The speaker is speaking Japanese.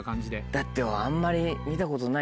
だってあんまり。